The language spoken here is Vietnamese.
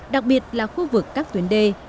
đặc biệt là khu vực các tuyến đê